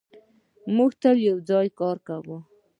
موږ تل یو ځای کار کوو.